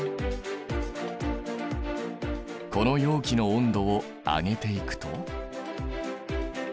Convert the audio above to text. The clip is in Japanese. この容器の温度を上げていくと。